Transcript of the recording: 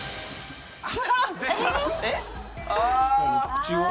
口を？